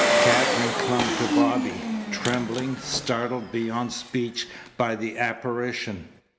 Katherine clung to Bobby, trembling, startled beyond speech by the apparition.